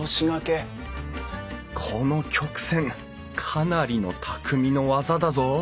この曲線かなりの匠の技だぞ！